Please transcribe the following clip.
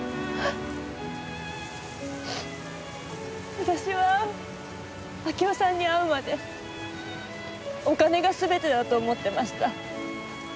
私は明夫さんに会うまでお金が全てだと思ってました。